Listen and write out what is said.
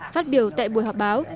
phát biểu tại buổi họp báo